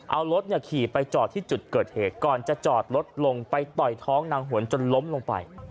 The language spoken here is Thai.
เอารถขี่ไปจอดที่จุดเกิดเหตุก่อนจะจอดรถลงไปต่อยท้องนางหวนจนล้มลงไป